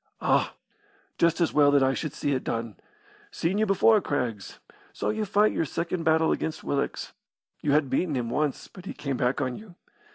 "Ah! Just as well that I should see it done. Seen you before, Craggs. Saw you fight your second battle against Willox. You had beaten him once, but he came back on you.